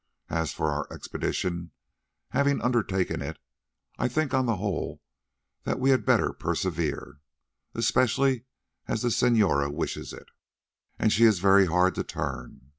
As for our expedition, having undertaken it, I think on the whole that we had better persevere, especially as the senora wishes it, and she is very hard to turn.